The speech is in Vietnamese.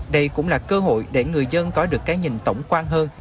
đây cũng là cơ hội để người dân có được cái nhìn tổng quan hơn